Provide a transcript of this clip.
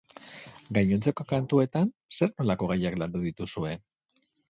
Gainontzeko kantuetan, zer-nolako gaiak landu dituzue?